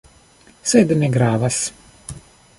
Sed ne gravas.